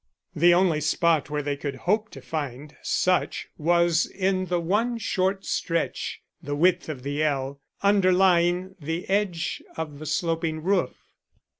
The only spot where they could hope to find such was in the one short stretch the width of the ell underlying the edge of the sloping roof.